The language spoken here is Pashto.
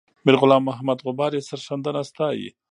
میرغلام محمد غبار یې سرښندنه ستایي.